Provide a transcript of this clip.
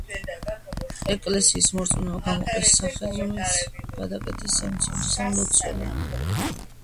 ეკლესიის მორწმუნეებმა გამოყეს სახლი, რომელიც გადააკეთეს სამლოცველოდ.